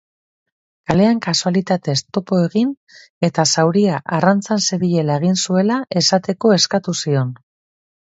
Kalean kasualitatez topo egin eta zauria arrantzan zebilela egin zuela esateko eskatu zion.